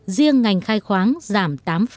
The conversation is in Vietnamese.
riêng ngành khai khoáng giảm tám hai